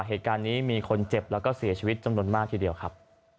เหตุการณ์นี้มีคนเจ็บแล้วก็เสียชีวิตจำนวนมากทีเดียวครับ